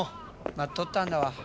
待っとったんだわ。